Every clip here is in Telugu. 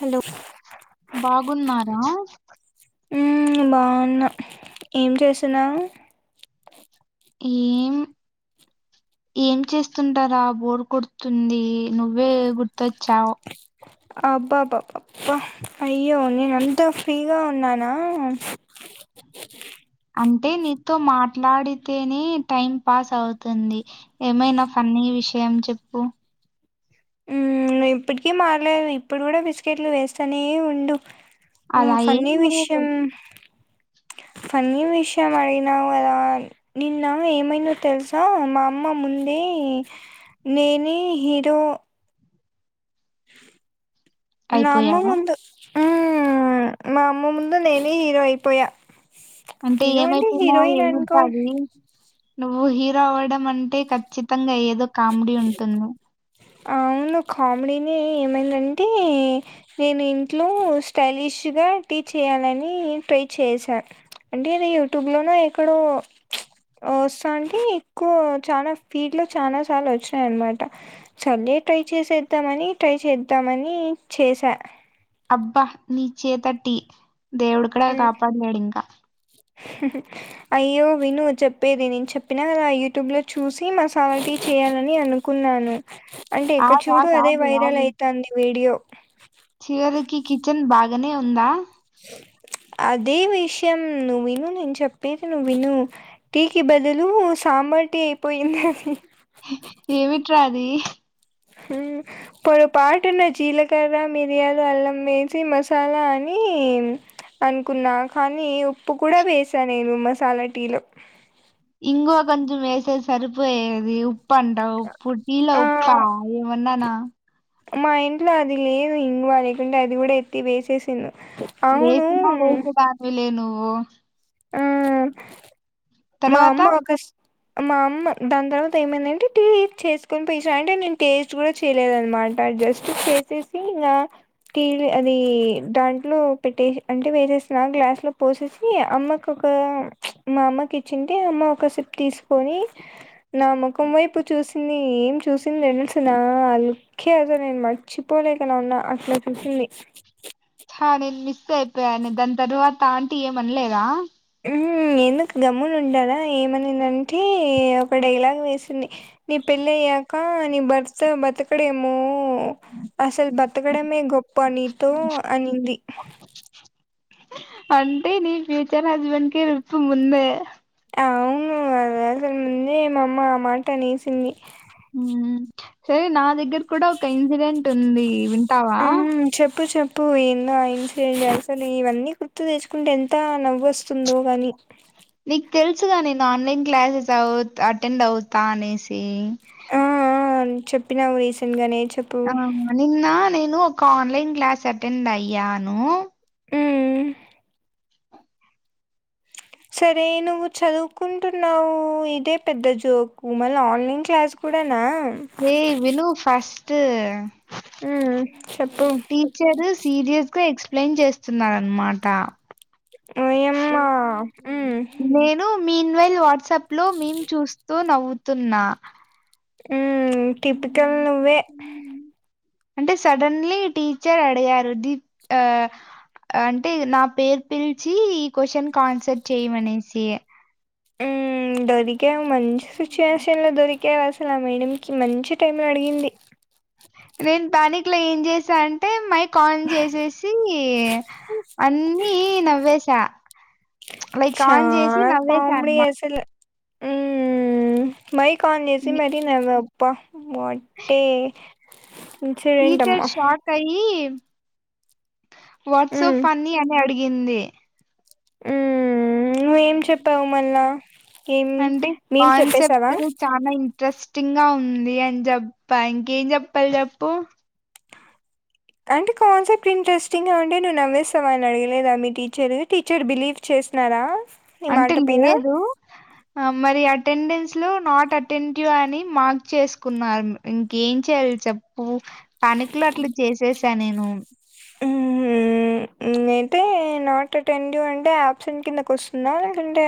హలో బాగున్నారా మ్ బాగున్నా ఏం చేసినావ్. ఏం ఏం చేస్తుంటారా బోర్ కొడుతుంది నువ్వే గుర్తొచ్చావు. అబ్బబ్బాబహ్ అయ్యో నేనంత ఫ్రీగా ఉన్నానా అంటే నీతో మాట్లాడితేనే టైం పాస్ అవుతుంది ఏమైనా ఫన్నీ విషయం చెప్పు. మ్ నీవు ఇప్పటికీ మారలేదు ఇప్పుడు కూడా బిస్కెట్లు వేస్తానే ఉండు. మ్ అలా ఏం ఫన్నీ లేదు. విషయం ఫన్నీ విషయం అడిగినావు కదా నిన్న ఏమైందో తెలుసా మా అమ్మ ముందే నేనే హీరో అయిపోయావా? నమ్ముముందు హ్మ్ మా అమ్మ ముందు నేనే హీరో అయిపోయా. అంటే హీరో ఏమైపోనా హీరోయిన్ ఏమి అనుకో ఇవ్వాలి. నువ్వు హీరో అవ్వడం అంటే ఖచ్చితంగా అయ్యేది. ఇందులో కామెడి ఉంటుందా? అవును కామెడీనే ఏమైందంటే నేను ఇంట్లో స్టైలిష్ గా టీ చేయాలని ట్రై చేశా అంటే ఏదో యూట్యూబ్ లోనే ఎక్కడో వస్తాంటే ఎక్కువ చానా ఫీల్డ్లో చానా సార్లు వచ్చినాయనమాట సర్లే ట్రై చేసేద్దాం అని ట్రై చేద్దాం అని చేసా అబ్బా నీ చేేత టీ దేవుడు కూడా కాపాడ్లేడింకా అయ్యో విను చెప్పేది నేను చెప్పినా గదా యూట్యూబ్ ల చూసి మసలా టీ చెయ్యాలని అనుకున్నాను అంటే ఇక్కడ ఆగు చూడు ఆగు అదే ఆగు వైరల్ ఆగు. అవుతుంది వీడియో చివరికి కిచెన్ బాగానే ఉందా అదే విషయం నువ్వు విను నేను చెప్పేది నువ్వు విను, టీకి బదులు సాంబార్టీ అయిపోయింది అని ఏమిట్రాది మ్ పొరపాటున జీలకర్ర మిరియాలు అల్లం వేసి మసాలా అని, అనుకున్నా కానీ ఉప్పు కూడా వేసా నేను మసాలా టీలో ఇంగవ కొంచం ఎస్తే సరిపోయేది ఉప్ ఆ పండవుప్పుటీలవ్ పాయ్ ఏమన్నానా మా ఇంట్లో అది లేదు ఇంగువ లేకుంటే అది కూడా ఎత్తి వేసేసిన్. లేచినా లేేచ దాను లేను అ ఆ మామ్ ఆగస్ట్ మా అమ్మ దాని తర్వాత ఏమైందంటే, టీ చేసుకొని పోసా అంటే నేను టేస్ట్ కూడా చేయలేదునమాట, జస్ట్ చేసేసి ఇంకా టీ అది దాంట్లో పెట్టే అంటే వేసేసినా గ్లాస్ లో పోసేసి అమ్మకు ఒక మా అమ్మకి ఇచ్చింటే అమ్మ ఒక సిప్ తీసుకొని, నా ముఖం వైపు చూసింది, ఏం చూసింది తెలుసునా అ లుక్ హె నేను మర్చిపోలేక నా ఉన్నా అట్లా చూసింది. చా నేను మిస్ అయిపోయాను దాని తర్వాత ఆంటీ ఏమనలేదా మ్ ఎందుకు గమ్మున ఉండారా ఏమనిందంటే ఒక డైలాగ వేసింది నీ పెళ్ళయ్య కా నీ భర్త బతకడ ఏమో అసలు బతకడమే గొప్ప నీతో అనింది అంటే నీ ఫ్యూచర్ హస్బెండ్ కి తెలుసు ముందే అవును అది అసలు ముందే మా అమ్మ ఆ మాటనేసింది మ్మ్ సరే నా దగ్గర కూడా ఒక ఇన్సిడెంట్ ఉంది వింటావా ఉ చెప్పు చెప్ త్పు ఎన్నో ఇన్సిడెంట్స్ అసలు ఇవన్నీ గుర్తు తెచ్చుకుంటే ఎంత నవ్వు వస్తుందో గాని నీకు తెలుసుగా నేను ఆన్లైన్ క్లాసెస్ అవు అటెండ్ అవుతా అనేసి. ఆ ఆ చెప్పినావు రీసెంట్గానే ఆ నిన్నా నేను కా ఆన్లైన్ క్లాస్ అటెండ్ అయ్యాను మ్మ్ సరే నువ్వు చదువుకుంటున్నావు ఇదే పెద్ద జోకు, మళ్ళీ ఆన్లైన్ క్లాస్ కూడా ఏ వినూ ఫస్ ట్ మ్మ్, చెప్పు టీచరు సీరియస్గా ఎక్స్ ప్లెయిన్ చేస్తున్నారనమాట ఈయమ్మ మ్మ్ మీన్వైల్ వాట్సాప్ లో మేం చూస్ కో నవ్వుతున్నా మ్మ్ టిపికల్ ఉమ్. నువ్వే ఉమ్. అంటే సడన్లీ టీచర్ అడిగారు దీప్ ఆ అంటే నా పేరు పిలిచి ఈ క్వశ్చన్ ఆన్సర్ చేయమనేసి మ్మ్ దొరికావు మంచి ఉమ్. సిచ్యువేషన్ లో దొరికావు అసలు ఆ మేడకి మంచి టైం అడిగింది నేను ప్యానిక్ లో ఏం చేసా అంటే మై కాల్ చేసేసి అన్ని నవ్వేసా ప్చ్ లైక్ ఆన్ చేసి చాలా కామెడీ నవ్వేసానుమా అసలు మ్మ్, మైక్ ఆన్ చేసి మరి నవ్వావు పో మొట్టే టీచర్ షాక్ అయ్యి వర్డ్స్ మ్మ్, ఫన్నీ అని అడిగి హిందీ మ్మ్ నువ్వేం చెప్ అవు మళ్ళ అంటే కాన్సెప్ట్ చాలా ఇంట్రెస్ట్ టింగా ఉంది అని చెప్ప ఇంకేం చెప్పాలి చెప్పు అంటే కాన్సెప్ట్ ఇంట్రెస్టింగ్ గా ఉంటే నువ్వు నవ్వేస్తావా అని అడగలేదా మీ టీచర్ టీచర్ బిలీవ్ చేసినారా నీ అంటే మాట పైన? లేదు ఆ మరి అ అటెండెన్స్ లో నాట్ అటెంటివ్ అని మార్క్ చేసుకున్నారు ఇంకేం చెయాలి చెప్పు ప్యానిక్ లో అట్లా చేసేసా నేను మ్మ్ మ్మ్ అయితే నాట్ అటెంటివ్ అంటే ఆయాబ్సెంట్ కిందకి వస్తుందా లేదంటే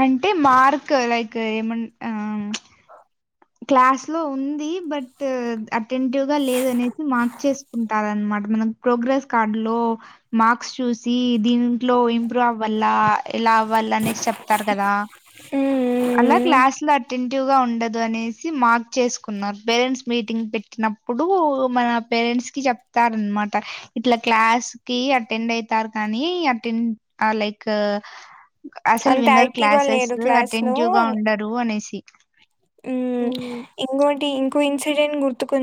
అంటే మార్క్ లైక్ ఏమ ఆ క్లాస్ లో ఉంది బట్ ఆ అటెంటివ్ గా లేదనేసి మార్చేసుకుంటార అనమాట మనం ప్రోగ్రెస్ కార్డు లో మ చూసి దీంట్లో ఇంప్రూవ్ అవ్వ ఎలా అవ్వ అనేసి చెప్తారు కదా అలా హ్మ్. క్లాస్ లో అటెంటివ్ గా ఉండద్ అ అనేసి మార్క్ చేసుకున్నారు పేరెంట్స్ మీటింగ్ పెట్టినప్పుడు మన పేరెంట్స్ కి చెప్తార అనమాట ఇట్లా క్లాస్ కి అటెండ్ అయితారు కానీ అటెండ్ లైక్ అసలు అంత విన్నర్ యాక్టివ్‌గా క్లాసెస్ లేరు క్లాస్‌లో అటెంటివ్ గా ఉండరు అనేసి మ్మ్ ఉమ్ ఇంకోటి ఇంకో ఇన్సిడెంట్ గుర్తుకొ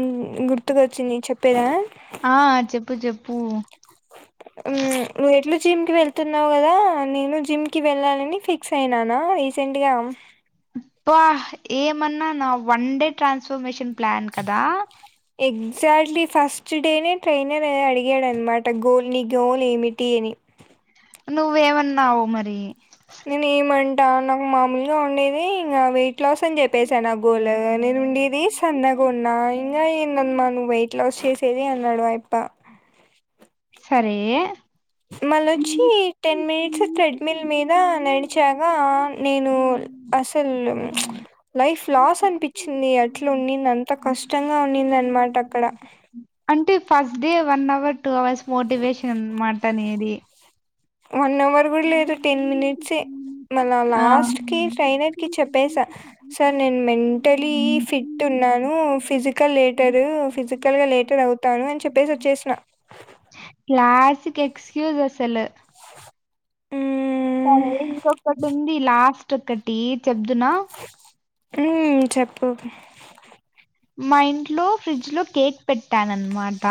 గుర్తుకొచ్చింది చెప్ ప్పేదా ఆ చెప్పు చెప్పు మ్ నువ్వు ఎట్లు జిమ్ కి వెళ్తున్నావు కదా నేను జిమ్ కి వెళ్ళాలని ఫిక్స్ అయినానా రీసెంట్గా. బ్బ ఏమన్ననా వన్ డే ట్రాన్స్ఫార్మేషన్ ప్లాన్ కదా. ఎగ్జాక్ట్లీ ఫస్ట్ డేనే ట్రైనర్ అడిగాడనమాట గోల్ నీ గోల్ ఏమిటి అని. నువ్వేమన్నావు మరి? నేను ఏమంటా నాకు మామూలుగా ఉండేది ఇంగ వెయి ట్లాస్ అని చెప్పేసా నా గోల్ నేను ఉండేదే సన్నగున్నా ఇంగా ఏందమ్మా నువ్వు వెయిట్ లాస్ చేసి ఇది అన్నాడు అయి ప సరే అస ట్రెడ్మిల్ మీద నడిచాగా నేను అసలు లైఫ్ లాస్ అనిపించింది అట్లా ఉంంది అంత కష్టంగా ఉంంది అనమాట అక్కడ టే first day one hour, two hours motivation మాట అనేది. వన్ అవర్ కూడా లేదు టెన్ మినిట్సే, మళ్ళా ఆ, లాస్ట్కి ట్రైనర్కి చెప్పేస సార్ నేను మెంటలీ ఫిట్ ఉన్నాను, ఫిజికల్ లేటరు ఫిజికల్గా లేటర్ అవుతాను అని చెప్పేసి వచ్చేసిన. ఎక్స్క్యూస్ అసలు మ్మ్ సరే ఇంకొకటుంది లాస్టొకటి. చెబ్దునా ఓకే మా ఇంట్లో ఫ్రిడ్జ్ లో కేక్ పెట్టానన్మాట.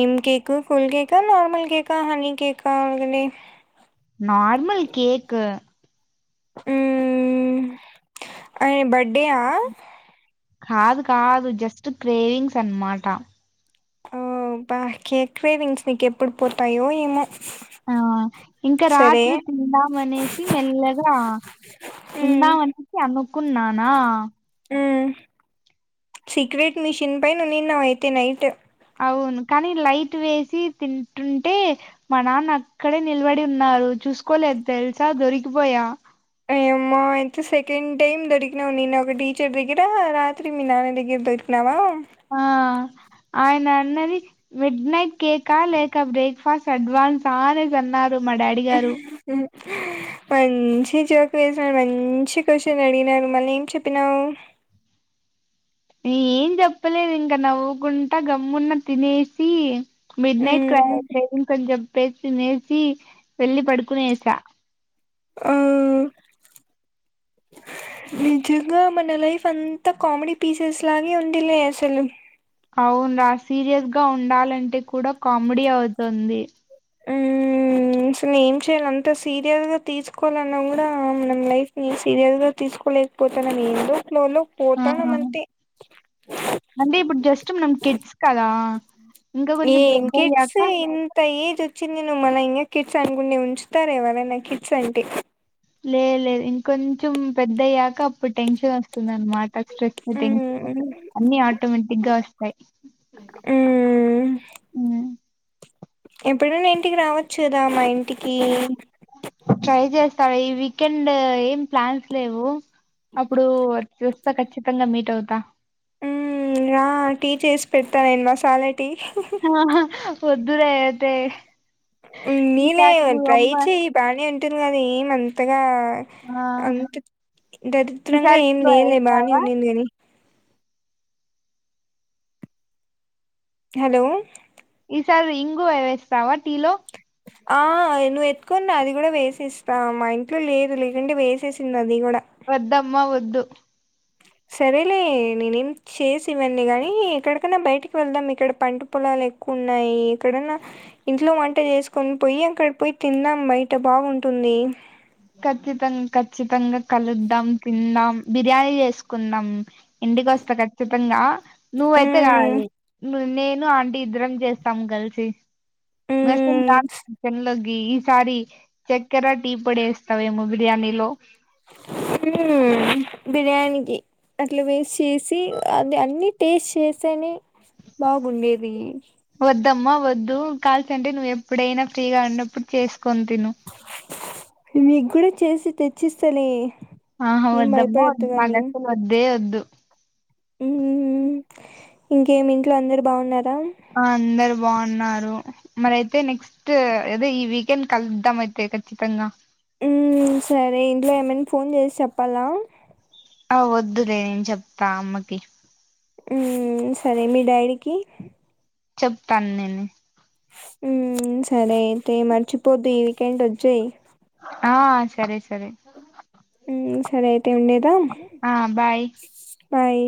ఏం కేక్ కూల్ కేకా, నార్మల్ కేకా, హనీ కేకా [unintelligible] నార్మల్ కేక్ మ్మూ ఆ బ కాదు కాదు జస్ స్ట్ క్రేవింగ్స్ అన్మాట. ఓ బా కేక్ క్రేవింగ్స్ మీకు ఎప్పుడు పోతాయో ఏమో! ఆ ఇంకా సరే రాత్రి తిందామనేసి మెల్లగా మ్మ్ తిందామనేసి అనుకు కున్నానా మ్మ్ సీక్రెట్ మిషన్ పైనునిన్నావ్ అయితే నైట్. అవును కానీ లైట్ వేసి తింటుంటే, మా నాన్న అక్కడే నిలబడి ఉన్నారు చూసుకోలేదు తెల్సా దొరికిపోయా. అయమ్మో అయితే సెకండ్ టైమ్ దొరికినావు నిన్న ఒక టీచర్ దగ్గర, రాత్రి మీ నాన్న దగ్గర దొరికినావా! ఆ ఆయన అన్నది మిడ్ నైట్ కేకా లేక బ్రేక్ఫాస్ట్ అడ్వాన్సా అనేసి అన్నారు. మా డాడీ గారు హ్మ్. మంచి జోక్ వేసినారు, మంచి క్వశ్చన్ అడిగినారు, మళ్ళీ ఏం చెప్పినావు? ఏం చెప్పలేదు ఇంకా నవ్వుకుంట గమ్మున్న తినేసి, మీడ్నాయిట్ క్ర మ్మ్. క్రేవింగ్స్ అని చెప్పే తినేసి వెళ్లి పడుకునేస. ఆ నిజంగా మన లైఫ్ అంతా కామెడీ పీసెస్ లాగే ఉందిలే అసలు అవును రా సీరియస్ గా ఉండాలంటే కూడా కామెడీ అవుతుంది ఉమ్ అసలు ఏం చేయాల అంత సీరియస్ గా తీసుకోవాలన్నా కూడా మనం లైఫ్ ని సీరియస్ గా తీసుకోలేకపోతాన ఏందో ఫ్లోలో ఆ పోతున్నాం అంతే అంటే ఇప్పుడు జస్ట్ కెడ్స్కాదా ఇం కొంచం పెద్ద్యాక చింది నువ్వు మన ఇంకా కిడ్స్ అనుకుంని ఉంచుతారు ఎవరైనా కిట్స్ అంటే లే లేదు ఇంకొంచెం పెద్దయ్యాక అప్పుడు టెన్షన్ వస్తుందిన్నమాట స్ట్రెస్ టెషన్ మ్మ్ అన్ని ఆటోమేటిక్గా వస్తాయి మ్మ్ ఎప్పుడైనా ఇంటికి రావచ్చు కదా మా ఇంటికి త ఈ వీకెండు ఏం ప్లాన్స్ లేవు అప్పుడూ చూస్తా ఖచ్చితంగా మీట్ అవుతా. మ్మ్ ఆ టీ చేసి పెట్టావేం మాసాలె టీ పద్దురతే మీనే ట్రై చె ఈ బనీ అ అంటంది కద ఏం అంతగా ఆ అంత దరిద్రంగా ఈసారి ఏం ఇంగువ లేలే బాగానే వేస్తావా ఉన్నాంది కాని హలో సార్ ఇంగువా వ్య వేస్తావా టిలో ఆ నువ్వు ఎత్తుకన్నా అది కూడా వేసేస్తా మా ఇంట్లో లేదు లేకంటే వేసేసింది అది కూడా వద్దమ్మ వద్దు సరేలే నేనేం చేసి ఇవ్వండి కాగానీ ఎక్కడికన్నా బయటకి వెళ్దాం ఇక్కడ పంట పొలాలు ఎక్కువ ఉన్నాయి ఎక్కడన్నా ఇంట్లో వంట చేసుకొని పోయి అక్కడికి పోయి తిందాం బయట బాగుంటుంది ఖచ్చితంగా కఖచ్చితంగా కలుద్దాం తిందాం బిర్యానీ చేసుకుందాం ఇంటికి వస్తా ఖచ్చితంగా నువ్వైతే మ్మ్ రాదు నేను ఆంటీ ఇద్దరం చేస్తాము కలిసి మ్మ్ [unintelligible] ఈ సారి చక్కెర టీ పడస్త సాము బిర్యానీ లో ఉమ్ బిర్యానీకి అట్లా వేస్ట్ చేసి అది అన్ని టేస్ట్ చేస్తేనే బాగుండేది వద్దమ్మా వద్దు కాల్చ అంటే నువ్వు ఎప్పుడైనా ఫ్రీగా ఉన్నప్పుడు చేసుకొని తిను మీకు కూడా చేసి తెచ్చిస్తాను ఆహ వద్దమ్మ వద్ మగస్ వద్ద్దే వద్దు ధు ఉమ్ ఊ ఇంకేమి ఇంట్లో అందరు బాగున్నారా ఆ అందరు బాగున్నారు మరియితే నెక్స్ట్ ఏద ఈ వీకెండ్ కలుద్దాం అయితే ఖచ్చితంగా మ్మ్ సరే ఇంట్లో ఏమనా ఫోన్ చేసి చెప్పాలా ఆ వద్దులే నేను చెప్తా అమ్మకి ఉమ్ సరే మీ డైడీకి చెప్తాను నేను ఉ సరే అయితే మర్చిపొద్దు ఈ వీకెండ్ వచ్చేయ్ ఆ సరే సరే ఉ సరే అయి ఆ బాయ్ బాయ్